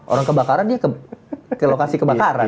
orang kebakaran dia ke lokasi kebakaran